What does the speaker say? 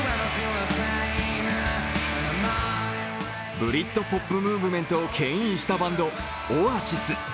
ブリッドポップムーブメントをけん引したバンド、オアシス。